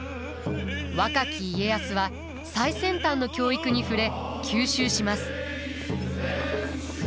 若き家康は最先端の教育に触れ吸収します。